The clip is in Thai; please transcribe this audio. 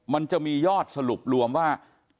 มันจะมียอดสรุปรวมว่า